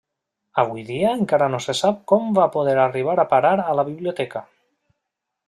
Avui dia encara no se sap com va poder arribar a parar a la biblioteca.